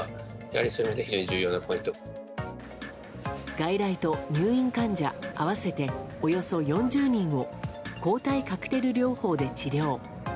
外来と入院患者合わせておよそ４０人を抗体カクテル療法で治療。